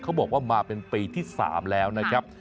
เขาบอกว่ามาเป็นปีที่๓แล้วนะครับ